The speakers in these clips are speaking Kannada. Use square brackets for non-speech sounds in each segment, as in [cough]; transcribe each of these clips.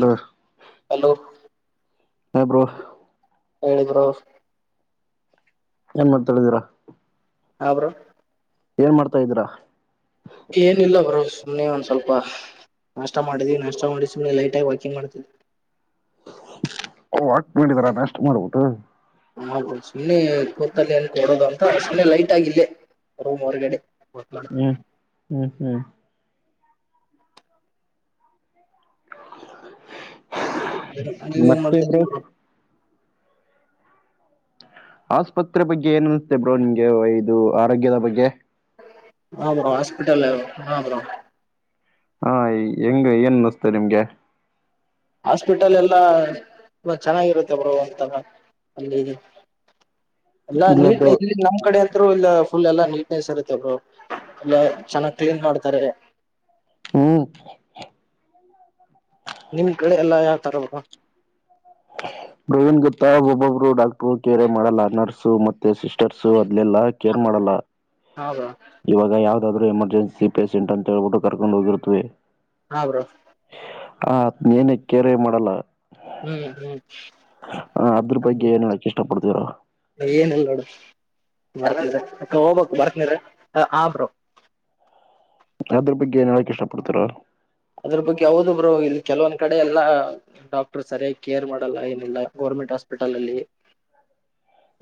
ಹಲೋ. ಹಲೋ ಹಾ ಬ್ರೋ. ಹೇಳಿ ಬ್ರೋ. ಏನ್ ಮಾತ ಹೇಳಿದೆರ. ಹಾ ಬ್ರೋ ಏನ್ ಮಾಡ್ತಾಯಿದಿರ. ಏನಿಲ್ಲ ಬ್ರೋ ಸುಮ್ಮ್ನೆ ಒಂದ್ ಸ್ವಲ್ಪ ನಾಷ್ಟ ಮಾಡಿದ್ವಿ ನಷ್ಟ ಮಾಡಿ ಸುಮ್ಮ್ನೆ ಲೈಟ್ ಆಗಿ ವಾಕಿಂಗ್ ಮಾಡ್ತಿವಿ. ವಾಕ್ ಮಾಡ್ತಿದೆರ ನಷ್ಟ ಮಾಡಿಬಿಟ್ಟು. ಹೌದು ಸುಮ್ಮನೆ ಕೂತಲ್ಲಿ ಏನ್ ಕೊರೊದು ಅಂತ ಸುಮ್ಮನೆ ಲೈಟ್ ಆಗಿ ಇಲ್ಲೇ ರೂಮ್ ಹೊರಗಡೆ. ವಾಕ್ ಹ್ಮ್ ಹ್ಮ್ [inaudible] ನೀವ ಏನ್ ಮತ್ತೆ ಮಾಡ್ತ ಬ್ರೋ [unintelligible] ಆಸ್ಪತ್ರೆ ಬಗ್ಗೆ ಏನ್ ಅನ್ಸುತ್ತೆ ಬ್ರೋ ನಿಮಗೆ ಇದು ಆರೋಗ್ಯದ ಬಗ್ಗೆ. ಹಾ ಬ್ರೋ ಹಾಸ್ಪಿಟಲ್ ಹಾ ಬ್ರೋ. ಹಾ ಹೆಂಗ ಏನ್ ಅನ್ಸುತ್ತೆ ನಿಮ್ಗೆ. ಹಾಸ್ಪಿಟಲ್ ಎಲ್ಲಾ ಚೆನ್ನಾಗಿರುತ್ತೆ ಬ್ರೋ ಒಂದ್ ತರ. ಎಲ್ಲ ಇಲ್ಲ ನೀ ಬ್ರೋ [unintelligible] ನಮ್ ಕಡೆ ಅಂತರು ಇಲ್ಲ ಫುಲ್ ಎಲ್ಲಾ ನೀಟ್ನೆಸ್ ಇರುತ್ತೆ ಬ್ರೋ ಎಲ್ಲ ಚೆನ್ನಾಗ್ ಕ್ಲೀನ್ ಮಾಡ್ತಾರೆ. ಹೂ ನಿಮ್ ಕಡೆ ಎಲ್ಲಾ ಯಾವ ತರ ಬ್ರೋ. ಬ್ರೋ ಏನ್ ಗೊತ್ತಾ ಒಬ್ಬೊಬ್ರು ಡಾಕ್ಟ್ರ್ ಕೇರೆ ಮಾಡಲ್ಲ ನರ್ಸ್ ಮತ್ತೆ ಸಿಸ್ಟರ್ಸು ಅದ್ಲೆಲ್ಲಾ ಕೇರ್ ಮಾಡಲ್ಲ. ಹೌದಾ. ಇವಾಗ ಯಾವ್ದಾದ್ರು ಎಮರ್ಜನ್ಸಿ ಪೇಷೆಂಟ್ ಅಂತ ಹೇಳ್ಬಿಟ್ಟು ಕರ್ಕೊಂಡ್ ಹೋಗಿರ್ತವಿ. ಹಾ ಬ್ರೋ. ಹ ಏನ ಕೇರೆ ಮಾಡಲ್ಲ. ಹ್ಮ್ ಹ್ಮ್ ಹ ಅದ್ರು ಬಗ್ಗೆ ಏನ್ [unintelligible] ಏನಿಲ್ಲ ನೋಡು ಬರ್ತನ್ರ ಅ ಹೋಗಬು ಬರ್ತನ್ರ ಇರು ಹಾ ಬ್ರೋ. ಅದ್ರ ಬಗ್ಗೆ ಏನ್ ಹೇಳಕ್ ಇಷ್ಟ ಪಡ್ತೀರಾ. ಅದ್ರ ಬಗ್ಗೆ ಹೌದು ಬ್ರೋ ಇಲ್ಲಿ ಕೆಲವೊಂದ್ ಕಡೆ ಎಲ್ಲಾ. ಡಾಕ್ಟರ್ ಸರಿಯಾಗಿ ಕೇರ್ ಮಾಡಲ್ಲ ಏನಿಲ್ಲಾ ಗೌರ್ಮೆಂಟ್ ಹಾಸ್ಪಿಟಲ್ ಅಲ್ಲಿ.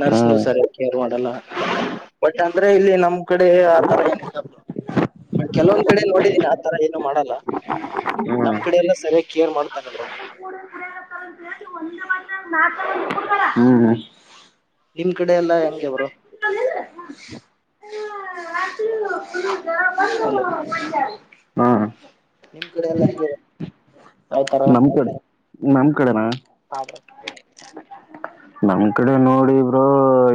ನರ್ಸ್ನು ಸರಿಯಾಗಿ ಕೇರ್ ಮಾಡಲ್ಲ. ಬಟ್ ಅಂದ್ರೆ ಇಲ್ಲಿ ನಮ್ ಕಡೆ ಆ ತರ ಎನ್ ಇಲ್ಲ ಬ್ರೋ. ಬಟ್ ಕೆಲವೊಂದ್ ಕಡೆ ನೋಡಿದೀನಿ ಆ ತರ ಏನನು ಮಾಡಲ್ಲ ನಮ್ ಕಡೆ ಎಲ್ಲ ಸರಿಯಾಗಿ ಕೇರ್ ಮಾಡ್ತಾರ. [unintelligible] ನಿಮ್ ಕಡೆ ಎಲ್ಲಾ ಹೆಂಗೆ ಬ್ರೋ. [unintelligible] ಹಲೋ [unintelligible] ನಿಮ್ ಕಡೆ ಎಲ್ಲ ಹೆಂಗೆ ಬ್ರೋ. ನಮ್ ಕಡೆ ನಮ್ ಕಡೆನಾ. ಹ ಬ್ರೋ. [inaudible] ನಮ್ ಕಡೆ ನೋಡಿ ಬ್ರೋ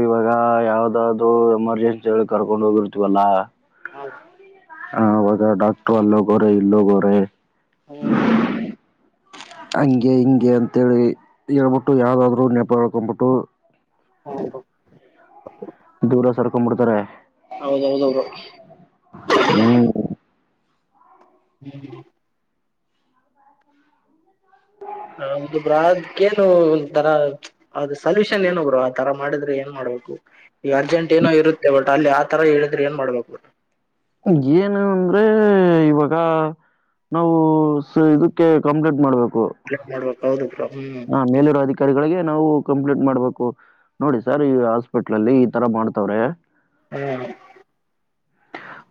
ಇವಾಗ ಯಾವ್ದಾದ್ರು ಎಮರ್ಜೆನ್ಸಿ ಕರ್ಕೊಂಡ ಹೋಗಿರ್ [unintelligible] ಹ ಬ್ರೋ. ಹ ಅವಾಗ ಡಾಕ್ಟ್ರು ಅಲ್ಲಿ ಹೋಗರೆ ಇಲ್ಲಿ ಹೋಗೋರೆೆ. ಹೂ ಹಂಗೆ ಹಿಂಗೆ ಅಂತೇಳಿ ಹೇಳ್ಬಿಟ್ಟು ಯಾವ್ದಾದ್ರು ನೆಪ ಹಳ್ಕೊಬಿಟ್ಟು. ಹೂ ಬ್ರೋ. ದೂರ ಸರ್ಕಂಬಿಡ್ತಾರೆ ಬ್ರೋ ಹ್ಮ್. [inaudible] [inaudible] ಹದು ಬ್ರ ಅದಕ್ಕೇನು ಒಂದ್ ತರ. ಅದು ಸಲ್ಯೂಷನ್ ಏನು ಬ್ರೋ ಆ ತರ ಮಾಡಿದ್ರೆ ಏನ್ ಮಾಡ್ಬೇಕು. ಈಗ ಅರ್ಜೆಂಟ್ ಏನೋ ಇರುತ್ತೆ ಬಟ್ ಅಲ್ಲಿ ಆ ತರ ಹೇಳಿದ್ರೆ ಏನ್ ಮಾಡ್ಬೇಕು. ಏನು ಅಂದ್ರೆ ಇವಾಗ. ನಾವು ಸ ಇದುಕ್ಕೆ ಕಂಪ್ಲೀಂಟ್ ಮಾಡ್ಬೇಕು. ಕಂಪ್ಲೇಂಟ್ ಮಾಡ್ಬೇಕ್ ಹೌದು ಬ್ರೊ, ಹ್ಮ ಆ ಮೇಲಿರೋ ಅಧಿಕಾರಿಗಳಿಗೆ ನಾವು ಕಂಪ್ಲೇಂಟ್ ಮಾಡ್ಬೇಕು. ನೋಡಿ ಸರ್ ಈ ಹಾಸ್ಪಿಟ್ಲಲ್ಲಿ ಈ ತರ ಮಾಡ್ತವ್ರೆ. ಹ್ಮ್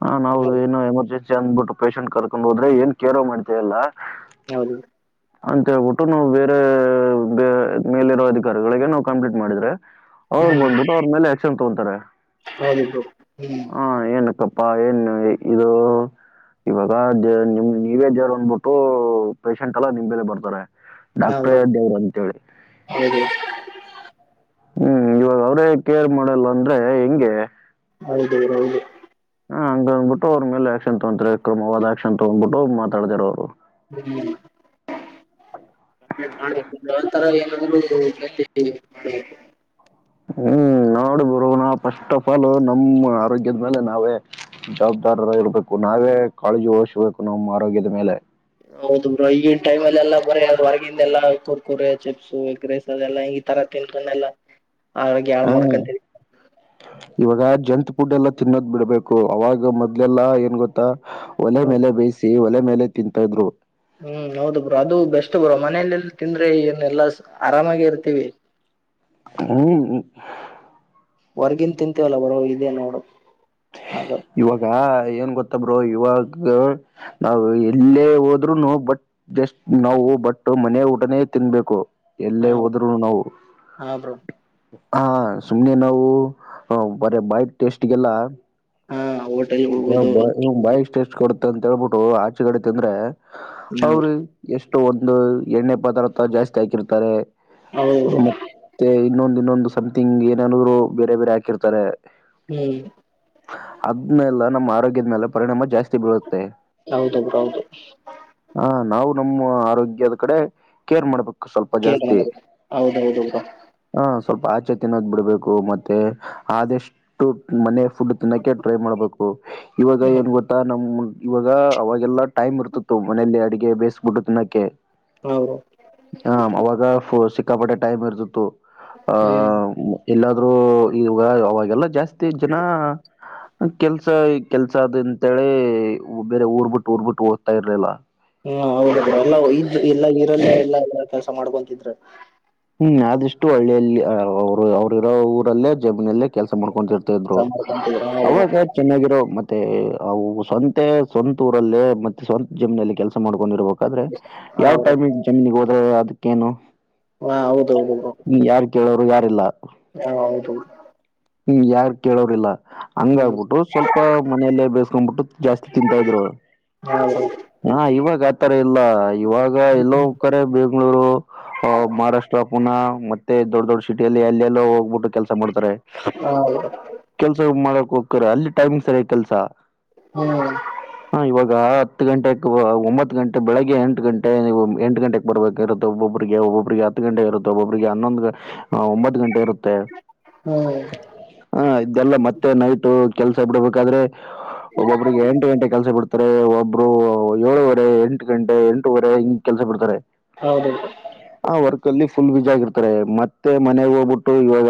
ಹಾ ನಾವು ಹೌದು ಏನು ಎಮರ್ಜೆನ್ಸಿ ಅಂದ್ಬಿಟ್ಟು ಪೇಷಂಟ್ ಕರ್ಕೊಂಡ್ ಹೋದ್ರೆ ಏನ್ ಕೇರು ಮಾಡ್ತಯಿಲ್ಲ [unintelligible] ಅಂತೇಳ್ಬುಟ್ಟು ನಾವು ಹೆ ಬೇ ಮೇಲಿರೋ ಅಧಿಕಾರಿಗಳಿಗೆ ನಾವು ಕಂಪ್ಲೀನ್ಟ್ ಮಾಡಿದ್ರೆ ಅವ್ರ್ ಹ್ಮ್ ಬಂದ್ಬಿಟ್ಟು ಅವ್ರ್ ಮೇಲೆ ಅಕ್ಷನ್ ತಗೊತಾರೆ ಹೌದು ಬ್ರೋ ಹ್ಮ್ ಹ ಏನಕ್ ಕಪ್ಪಾ ಏನ್ ಇದೂ. ಇವಾಗ ದೇ ನಿಮ್ ನೀವೇ ದೇವ್ರ್ ಅಂದ್ಬುಟ್ಟು ಪೇಷಂಟ್ ಎಲ್ಲ ನಿಮ್ ಬೆಲೆ ಬರ್ತಾರೆ ಹಾ ಡಾಕ್ಟ್ರೇ ಬ್ರೋ ದೇವ್ರು ಅಂತೇಳಿ ಹೌದು ಹ್ಮ್ ಇವಾಗ್ ಅವ್ರೇ ಕೇರ್ ಮಾಡಲ್ಲ ಅಂದ್ರೆ ಹೆಂಗೆ? ಹೌದೌದು ಹೌದು ಹಾ ಹಂಗಂದ್ಬಿಟ್ಟು ಅವ್ರ್ ಮೇಲೆ ಆಕ್ಷನ್ ತೊಗೊಂತರೆ, ಕ್ರಮವಾದ ಆಕ್ಷನ್ ತಗೊಂಬಿಟ್ಟು ಮಾತಾಡ್ತಾರೆ ಅವ್ರು ಹ್ಮ್ [unintelligible] ಹ್ಮ್ ನೋಡು ಗುರು ನಾವು ಫಸ್ಟ್ ಆಫ್ ಆಲು ನಮ್ಮ ಆರೋಗ್ಯದ್ ಮೇಲೆ ನಾವೇ ಜವಾಬ್ದಾರರ್ ಇರ್ಬೇಕು ನಾವೇ ಕಾಳಜಿ ಒಯ್ಸ್ಬೇಕು ನಮ್ ಆರೋಗ್ಯದ ಮೇಲೆ. ಹೌದು ಬ್ರೋ ಈಗಿನ್ ಟೈಮಲ್ ಎಲ್ಲಾ ಬರೆ ಹೊರಗಿಂದ್ ಎಲ್ಲ ಕುರ್ಕುರೆ, ಚಿಪ್ಸ್, ಎಗ್ ರೈಸಲ್ಲೆಲ್ಲ ಇದ್ ತಗ ತಿಂತನೆೆಲ್ಲ. ಹ ಇವಾಗ ಜಂಕ್ ಫುಡ್ ಎಲ್ಲಾ ತಿನ್ನೋದ್ ಬಿಡ್ಬೇಕು, ಅವಾಗ್ ಮೊದ್ಲೆಲ್ಲಾ ಏನ್ ಗೊತ್ತಾ ಒಲೆ ಹ್ಮ ಮೇಲೆ ಬೇಯ್ಸಿ, ಒಲೆ ಮೇಲೆ ತಿಂತಾ ಇದ್ರು ಹ್ಮ್ ಹೌದು ಬ್ರೋ ಅದು ಬೆಸ್ಟ್ ಬ್ರೋ ಮನೆಲ್ಲೆಲ್ಲ ತಿಂದ್ರೆ ಏನ್ ಎಲ್ಲಾ ಆರಾಮಾಗೆ ಇರ್ತೀವಿ. ಹ್ಮ ಹೊರ್ಗಿನ್ ತಿಂತಿವಲ್ಲ ಬ್ರೊ ಇದೆೇ ನೋಡು. ಅದು ಇವಾಗ ಏನ್ ಗೊತ್ತ ಬ್ರೊ ಇವಾಗ ನಾವು ಎಲ್ಲೇ ಹೋದ್ರುನು ಬಟ್ ಜಸ್ಟ್ ನಾವು ಬಟ್ಟು ಮನೆ ಊಟನೇ ತಿನ್ಬೇಕು. ಹಾ ಎಲ್ಲೇ ಹೋದ್ರುನು ನಾವು. ಹಾ ಬ್ರೋ ಹಾ ಸುಮ್ನೆ ನಾವುಅ ಬಾಯ್ಗ್ ಟೇಸ್ಟ್ಗೆಲ್ಲ ಹಾ ಹೋಟೆಲ್ ಈಗ ಹೋಗೋದು ಬಾಯ್ ಇವಾಗ್ ಬಾಯ್ಗ್ ಟೆಷ್ಟ ಕೊಡುತ್ತೆ ಅಂತೇಳ್ಬಿಟ್ಟು ಆಚೆಕಡೆ ತಿಂದ್ರೆ ಹಾ ಅವ್ರ್ ಬ್ರೋ ಎಷ್ಟೊ ಒಂದು ಎಣ್ಣೆ ಪದಾರ್ಥ ಜಾಸ್ತಿ ಹಾಕಿರ್ತಾರೆ. ಹೌದು ಬ್ರೋ ಮತ್ತೆ ಇನ್ನೊಂದ್ ಇನ್ನೊಂದು ಸಮ್ಥಿಂಗ್ ಏನೇನಾದ್ರು ಬೇರೆ ಬೇರೆ ಹಾಕಿರ್ತಾರೆ ಹ್ಮ್ ಮೆಲ್ಲ ನಮ್ಮ ಆರೋಗ್ಯದ್ ಮೇಲೆ ಪರಿಣಾಮ ಜಾಸ್ತಿ ಬೀಳುತ್ತೆ. ಹೌದು ಬ್ರೊ ಹೌದು ಹ ನಾವು ನಮ್ಮ ಆರೋಗ್ಯದ ಕಡೆ ಕೇರ್ ಮಾಡ್ಬೇಕು. ಸ್ವಲ್ಪ ಕೇರ್ [unintelligible] ಹೌದೌದು ಬ್ರೊ ಹಾ ಸ್ವಲ್ಪ ಆಚೆ ತಿನ್ನೋದ್ ಬಿಡ್ಬೇಕು ಮತ್ತೆ ಆದಷ್ಟು ಮನೆ ಫುಡ್ ತಿನ್ನೋಕ. ಟ್ರೈ ಮಾಡ್ಬೇಕು ಇವಾಗ ಹ್ಮ್ ಏನ್ ಗೊತ್ತ. ನಮ್ ಇವಾಗ ಅವಾಗೆಲ್ಲಾ ಟೈಮ್ ಇರ್ತಿತ್ತು ಮನೇೆಯಲ್ಲಿ ಅಡಗೆ ಬೇಯಸಿಬಿಟ್ಟು ತಿನ್ನೋಕ್ಕೆೆ. ಹೌದು. ಹ ಅವಾಗ ಸಿಕ್ಕಾಪಟ್ಟೆ ಟೈಮ್ ಇರ್ತಿತ್ತು ಆ. ಹ್ಮ್ ಎಲ್ಲಾದ್ರೂ ಈ ಅವಾಗೆಲ್ಲ ಜಾಸ್ತಿ ಜನ. ಕೆಲ್ಸ ಈ ಕೆಲ್ಸ ಅದ ಅಂತೇಳೆ ಬೇರೆ ಊರ್ ಬಿಟ್ಟು ಊರ್ ಬಿಟ್ಟು ಹೋಗ್ತಾ ಇರ್ಲಿಲ್ಲ. ಹ್ಮ ಹೌದ ಬ್ರೋ ಎಲ್ಲಾ ಇದ್ ಎಲ್ಲಾ ಈರಲ್ಲೆ ಎಲ್ಲಾ ಎಲ್ಲ ಕೆಲಸ ಮಾಡ್ಕೊಂತಿದ್ರೆ. ಹ್ಮ್ ಆದಿಷ್ಟು ಹಳ್ಳಿಯಲ್ಲಿ ಅವ್ರು ಅವ್ರ ಇರೋ ಊರಲ್ಲೇ ಜಮೀನಲ್ಲೇ ಕೆಲ್ಸ ಮಾಡ್ಕೊರ್ತಾರೆ. ಇದ್ರು ಕೆಲ್ಸ ಮಾಡ್ಕೊಂತಿದ್ರು ಹಾ ಬ್ರೋ ಅವಾಗ ಚೆನ್ನಾಗಿರೋ ಮತ್ತೆ ಅವು ಸ್ವಂತ ಸ್ವಂತ ಊರಲ್ಲೇ ಮತ್ತೆ ಸ್ವಂತ ಜಮ್ನಲ್ಲಿ ಕೆಲಸ ಮಾಡ್ಕೊಂಡಿರ್ಬೇಕು. ಹಾ ಯಾವ್ ಬ್ರೋ ಟೈಮ್ ಜಮೀನಿಗೆ ಹೋದ್ರ ಅದಕ್ಕೇನು. ಹಾ ಹೌದ ಹೌದು ಬ್ರೋ. ಯಾರ್ ಕೇಳೋರು ಯಾರೀಲ್ಲ. ಹಾ ಹೌದು. ಹ್ಮ್ ಯಾರ್ ಕೇಳೋರಿಲ್ಲ. ಹಂಗ ಬ್ರೋ ಹ್ಮ್ ಆಗ್ಬಿಟ್ಟು ಸ್ವಲ್ಪ ಮನೆಯಲ್ಲೇ ಬೇಸ್ಕೊಬಿಟ್ಟು ಜಾಸ್ತಿ ತಿಂತಾ ಇದ್ರು. ಹಾ ಬ್ರೋ ಹಾ ಇವಾಗ ಆತರ ಇಲ್ಲ ಇವಾಗ ಎಲ್ಲೋ ಕರೆ ಬೆಂಗ್ಗಳೂರು. ಅ ಮಹಾರಾಷ್ಟ್ರ ಪುನಾ ಮತ್ತೆ ದೊಡ್ಡ ದೊಡ್ ಸಿಟಿಯಲ್ಲಿ ಅಲ್ಲೆಲ್ಲೋ ಹೋಗ್ಬಿಟ್ಟು ಕೆಲಸ ಮಾಡ್ತಾರೆ. ಹೌದು. ಕೆಲ್ಸ ಮಾಡಕ್ ಹೋಗ್ತಾರೆ ಅಲ್ಲಿ ಟೈಮಿಂಗ್ ಸರಿಯಾಗಿ ಕೆಲಸ. ಹಾ. ಹಾ ಇವಾಗ ಹತ್ತು ಗಂಟೆೆಗೆ ಒಂಬತ್ತು ಗಂಟೆ ಬೆಳಿಗ್ಗೆ ಎಂಟು ಗಂಟೆ ನೀವು ಎಂಟು ಗಂಟೆಗೆ. ಬರ್ಬೇಕಿರುತ್ತೆ ಒಬ್ಬೊಬರಿಗೆ ಒಬ್ಬೊಬರಿಗೆ ಹತ್ತು ಗಂಟೆ ಇರುತ್ತೆ ಒಬ್ಬೊಬ್ರಿಗೆ ಹನ್ನೊಂದು ಒಂಬತ್ತು ಗಂಟೆ ಇರುತ್ತೆ. ಹ್ಮ್ ಹ ಇದೆಲ್ಲ ಮತ್ತೆ ನೈಟ್ ಕೆಲಸ ಬಿಡಬೇಕಾದ್ರೆ ಒಬ್ಬೊಬ್ಬರಿಗೆ ಎಂಟು ಗಂಟೆ ಕೆಲ್ಸ ಬಿಡ್ತ. ಒಬ್ರು ಏಳುವರೆ ಎಂಟು ಗಂಟೆ ಎಂಟವರೆ ಹಿಂಗ ಕೆಲ್ಸ ಬಿಡ್ತಾರೆ. ಹೌದು ಆ ವರ್ಕ್ ಅಲ್ಲಿ ಫುಲ್ ಬೀಜ ಆಗಿರ್ತಾರೆ ಮತ್ತೆ ಮನೆಗೆ ಹೋಗ್ಬಿಟ್ಟು ಇವಾಗ.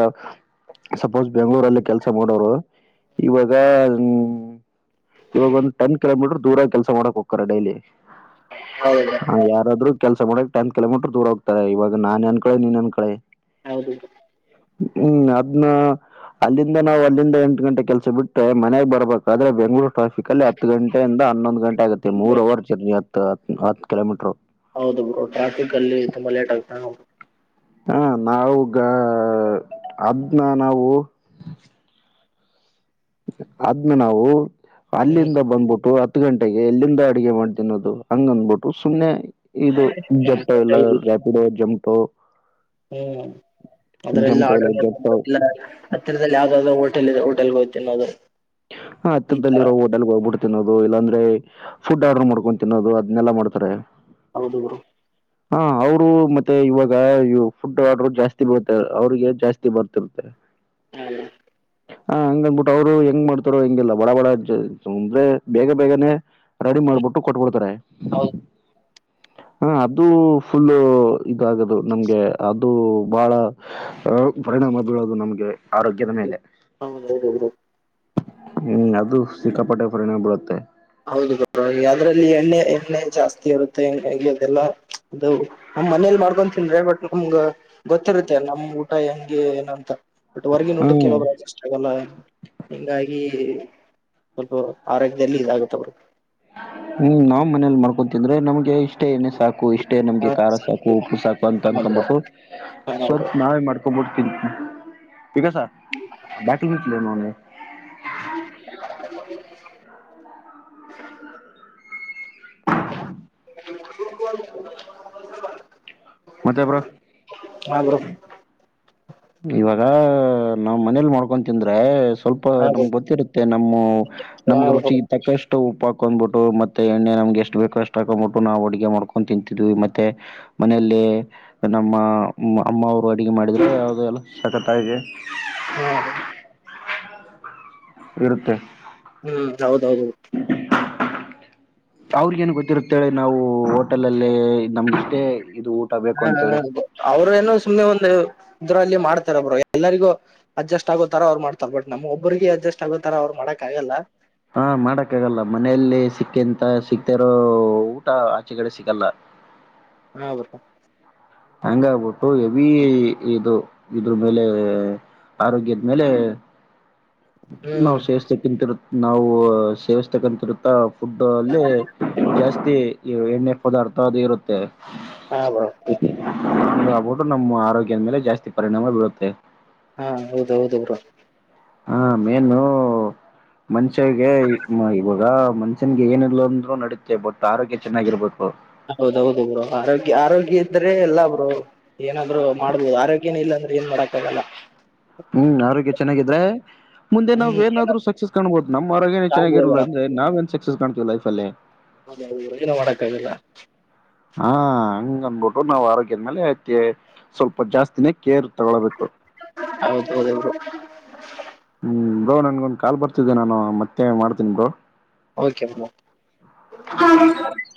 ಸಪೋಸ್ ಬೆಂಗ್ಗಳೂರಲ್ಲಿ ಕೆಲಸ ಮಾಡೋರು ಇವಾಗ. ಇವಾಗ ಒಂದು ಟೆನ್ ಕಿಲೋಮೀಟರ್ ದೂರ ಕೆಲ ಮಾಡಕ್ ಹ್ತಾರೆ ಡೈಲಿ. ಹೌದು ಹಾ ಯಾರಾದ್ರರು ಕೆಲ್ಸ ಮಾಡೋಕ್ ಟನ್ ಕಿಲೋಮೀಟರ್ ದೂರ ಹೋಗ್ತಾರೆವಾಗ ನಾನ್ ಅನ್ಕಳೆ ನೀನ್ ಹಂಕೊಳ್ಳಿ. ಹೌದು ಹ್ಮ್ ಅದ. ಅಲ್ಲಿಂದ ನಾವು ಅಲ್ಲಿಂದ ಎಂಟು ಗಂಟೆ ಕೆಲಸ ಬಿಟ್ಟೆ ಮನೆಗೆ ಬರ್ಬೇಕಾದ್ರೆ ಬೆಂಗಳೂರು. ಟ್ರಾಫಿಕ್ಲ್ಲಿ ಹತ್ತು ಗಂಟೆಯಿಂದ ಹನ್ನೊಂದು ಗಂಟೆ ಆಗುತ್ತೆ ಮೂರು ಅವರ್ ಜರ್ನಿ ಆತವ್ ಹತ್ತು ಕಿಲೋಮೀಟರು. ಹೌದು ಬ್ರೋ ಟ್ರಾಫಿಕ್ ಅಲ್ಲಿ ತುಂಬಾ ಲೇಟ್ ಆಗ್ತ. ಹ ನಾವುಗ ಅದ್ನ್ನ ನಾವು. ಅದ್ನ್ನ ನಾವು ಹ್ಮ್ ಅಲ್ಲಿಂದ ಬಂದ್ಬಿಟ್ಟು. ಹತ್ತು ಗಂಟೆಗೆ ಎಲ್ಲಿಂದ ಅಡುಗೆ ಮಾಡ್ ತಿನ್ನೋದು ಹಂಗಂದಬಿಟ್ಟು ಸುಮ್ಮನೆ. ಇದು ಜೇಪಿಟೊ ಎಲ್ಲಾ ಅಲ್ಲಿ. ರಫೀಡೋ ಜಮಟೊ. ಹ್ಮ್ ಅದ್ರ ಎಲ್ಲ ಆರ್ಡ ಜಪ್ಟೋ ಮಾಡಕಿಲ್ಲ. ಹತ್ತತ್ರದಲ್ಲಿ ಯಾವ್ದಾದಾವ್ದೋ ಹೋಟೆಲ್ದೆ ಹೋಟೆಲ್ಗೋಗ್ ತಿನ್ನೋದು. ಹಾ ಈ ಹತ್ತಿರದಲ್ಲಿ ತರ ಇರೋ ಹೋಟೆಲ್. ಹೋಟೆಲ್ ಹೋಗ್ಬಿಟ್ಟು ತಿನ್ನೋದು ಇಲ್ಲಾಂದ್ರೆ ಫುಡ್ ಆರ್ಡರ್ ಮಾಡ್ಕೊಂಡು ತಿನ್ನೋದು ಅದ್ನ್ನಲ್ಲ ಮಾಡ್ತಾರೆ. ಹೌದು ಬ್ರೋ. ಹಾ ಅವರು ಮತ್ತೆ ಇವಾಗ ಫುಡ್ ಆರ್ಡರು ಜಾಸ್ತಿ ಬರುತ್ತೆ ಅವ್ರಿಗೆ ಜಾಸ್ತಿ ಬರ್ತಿರುತ್ತೆ. ಹಾ ಬ್ರೋ. ಹ ಹಂಗಂದ್ಬಿಟ್ಟು ಅವ್ರು ಹೆಂಗ್ ಮಾಡ್ತಾರೋ ಹೆಂಗಿಲ್ಲ ಬಡ ಬಡ ಅಂ ಅಂದ್ರೆ ಬೇಗ ಬೇಗನೆ. ರೆಡಿ ಮಾಡ್ಬಿಟ್ಟು ಕೊಟ್ಬಿಡ್ತಾರೆ. ಹೌದು. [inaudible] ಹಾ ಅದು ಫುಲ್ಲು ಇದಾಗದು ನಮ್ಗೆ ಅದು ಬಹಳ. ಅಹ ಪರಿಣಾಮ ಬೀಳೋದು ನಮ್ಗೆ ಆರೋಗ್ಯದ ಮೇಲೆ. [unintelligible] ಹ್ಮ್ ಅದು ಸಿಕ್ಕಾಪಟ್ಟೆ ಪರಿಣಾಮ ಬೀಳುತ್ತೆ. ಹೌದು ಬ್ರೋ ಹಾಗ ಅದ್ರಲ್ಲಿ ಎಣ್ಣೆ ಎಣ್ಣೆ ಜಾಸ್ತಿ ಇರುತ್ತೆ ಹಾಂಗಾಗಿ ಅದೆಲ್ಲ ಅದು. ನಮ್ ಮನೇಲಿ ಮಾಡ್ಕೊಂಡ್ ತಿಂದ್ರೆ ಬಟ್ ನಮ್ಗ ಗೊತ್ತಿರುತ್ತೆ ನಮ್ ಊಟ ಹೆಂಗೆ ಏನಂತ. ಬಟ್ ಹೊರ್ಗಿನ ಊಟಕ್ಕೆ ಕೆಲ ಹ್ಮ್ ಒಬ್ರು ಅಡ್ಜಸ್ಟ್ ಆಗಲ್ಲ ಹಿಂಗಾಗಿ ಸ್ವಲ್ಪ ಆರೋಗ್ಯದಲ್ಲಿ ಇದಾಗುತ್ತ ಬ್ರೋ. ಹ್ಮ್ ನಾವ್ ಮನೇಲಿ ಮಾಡ್ಕೊತಿಂದ್ರೆ ನಮ್ಗೆ ಇಷ್ಟೇ ಎಣ್ಣೆ ಸಾಕು ಇಷ್ಟ ನಮ್ಗೆ ಖಾರ ಸಾಕು ಹಾ ಉಪ್ಪು ಸಾಕು ಅಂತ ಹಾ ಅನ್ಕೊಂಡ್ಬಿಟ್ಟು ಬ್ರೋ ಸ್ವಲ್ಪ ನಾವೇ ಮಾಡ್ತವಿ [unintelligible] [inaudible] [inaudible] ಮತ್ತೆ ಬ್ರೋ. ಹಾಬ್ರೋ. ಇವಾಗ ನಾವ್ ಮನೇಲಿ ಮಾಡ್ಕೊಂಡ್ ಮಾಡ್ತಿದ್ದೆ ತಿಂದ್ರೆ ಸ್ವಲ್ಪ ಹಾ ಬ್ರೋ ನಮ್ಗೆ ಗೊತ್ತಿರುತ್ತೆ ನಮ್ಮ ಹಾ ನಮ್ಗೆ ಬ್ರೋ ರುಚಿ. ತಕ್ಕಷ್ಟು ಉಪ್ಪುಹಾಕೊಂಡ್ಬಿಟ್ಟು ಮತ್ತೆ ಎಣ್ಣೆ ನಮ್ಗೆ ಎಷ್ಟು ಬೇಕೋ ಅಷ್ಟ ಹಾಕೊಂಡ್ಂಬಿಟ್ಟು ನಾವು ಅಡುಗೆ ಮಾಡ್ಕೊಂಡು ತಿಂತಿದ್ವಿ ಮತ್ತೆ. ಮನೆ ಅಲ್ಲಿ ನಮ್ಮ ಅಮ್ಮ ಅವರು ಅಡುಗೆ ಮಾಡಿ [unintelligible] ಸಖತ ಹಾ ಇರುತ್ತೆ. ಹ್ಮ್ ಹೌದೌದು. ಅವ್ರಿಗ ಏನ್ ಗೊತ್ತಿರುತ್ತೆೇಳಿ ನಾವು ಹೋಟೆಲ್ ಅಲ್ಲಿ ನಮ್ಗೆಷ್ಟೇ ಇದು. ಬೇಕು ಹಾ ಅಂತೇಳಿ ಅವರು ಏನೋ ಸುಮ್ನೆ ಒಂದು ಇದ್ರಲ್ಲಿ ಮಾಡ್ತಾರ ಬ್ರೋ ಎಲ್ಲರಿಗೂ. ಅಡ್ಜಸ್ಟ್ ಆಗೋತರ ಅವ್ ಮಾಡ್ತಾರೆ ಬಟ್ ನಮ್ ಒಬ್ಬರಿಗೆ ಅಡ್ಜಸ್ಟ್ ಆಗೋತರ ಅವ್ ಮಾಡಕ್ ಆಗಲ್ಲ. ಹಾ ಮಾಡಕ್ಕ ಆಗಲ್ಲ ಮನೆಯಲ್ಲಿ ಸಿಕ್ಕಿಂತ ಸಿಕ್ತಿರೋ ಊಟ ಆಚೆ ಕಡೆ ಸಿಗಲ್ಲ. ಹಾ ಬ್ರೋ. ಹಂಗ ಆಬಿಟ್ಟು ಎವಿ ಇದು ಇದ್ರ ಮೇಲೆ ಆರೋಗ್ಯದ ಮೇಲೆ. ನಾವು ಹ್ಮ್ ಸೇವಿಸ್ತಕ್ಕಿಂತಿರು ನಾವು ಸೇವಿಸತಕ್ಕಂತಿರುತ್ತ. ಫುಡ್ ಅಲ್ಲಿ ಜಾಸ್ತಿ ಎಣ್ಣೆ ಪದಾರ್ಥ ಅದು ಇರುತ್ತೆ. ಹ ಬ್ರೋ. ಆಗ್ಬಿಟ್ಟು ನಮ್ಮ ಆರೋಗ್ಯದ ಮೇಲೆ ಜಾಸ್ತಿ ಪರಿಣಾಮ ಬೀಳುತ್ತೆ. ಹಾ ಹೌದ ಹೌದು ಬ್ರೋ. ಹಾ ಮೇನು. ಮನ್ಷ್ಯಿಗೆ ಇವಾಗ ಮನ್ಷ್ಯನ್ಗೆ ಏನಿಲ್ಲ ಅಂದ್ರು ನಡೀತ್ತೆ ಬಟ್ ಆರೋಗ್ಯ ಚೆನ್ನಾಗಿರ್ಬೇಕು. ಹೌದೌದು ಬ್ರೋ ಆರೋಗ್ಯ ಆರೋಗ್ಯ ಇದ್ರೆ ಎಲ್ಲ ಬ್ರೋ. ಏನಾದ್ರು ಮಾಡ್ಬೋದು ಆರೋಗ್ಯನೇ ಇಲ್ಲ ಅಂದ್ರೆ ಏನ್ ಮಾಡಕ್ಕ ಆಗಲ್ಲ. ಹ್ಮ್ ಆರೋಗ್ಯ ಚೆನ್ನಾಗಿದ್ರೆ ಮುಂದೆ ನಾವ್ ಹ್ಮ್ ಏನಾದ್ರು ಸಕ್ಸಸ್ ಕಾಣ್ಬಹದು ನಮ್ಮ್ ಆರೋಗ್ಯನೇ ಚೆನ್ನಾಗಿರಲ್ಲ ಅಂದ್ರೆ. ನಾವೇನ್ ಸಕ್ಸಸ್ ಕಾಣ್ತೀವಿ ಲೈಫೀಲಿ? [inaudible] ಹೌದು ಯೋಜನ ಮಾಡಕ್ಕ ಆಲ್ಲ? [unintelligible] ಹಾ ಹಂಗ ಅಂದಬಿಟ್ಟು! ನಾವ್ ಆರೋಗ್ಯದ ಮೇಲೆ ಥೇ ಸ್ವಲ್ಪ ಜಾಸ್ತಿನೇ ಕೇರ್ ತಗೊಳ್ಬೇಕು. [inaudible] ಹೌದು ಹೌದು ಇವರು. [unintelligible] ಹ್ಮ್ ಬ್ರೋ ನನ್ಗೊಂದು ಕಾಲ್ ಬರ್ತಿದ್ದಿದೆ? ನಾನು ಮತ್ತೆ ಮಾಡ್ತೀನಿ ಬ್ರೋ. [inaudible] ಕಓಕೆ ಬ್ರೋ. [unintelligible]